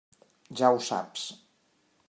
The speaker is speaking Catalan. Ja ho saps.